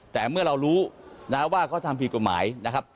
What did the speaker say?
แต่เมื่อเรารู้นะว่าเขาทำผิดกฎหมายนะครับ